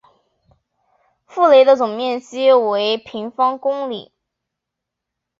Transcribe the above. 博雷的总面积为平方公里。